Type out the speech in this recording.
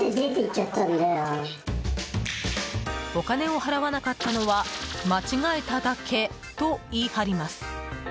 お金を払わなかったのは間違えただけと言い張ります。